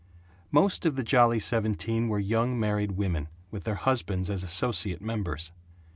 Most of the Jolly Seventeen were young married women, with their husbands as associate members.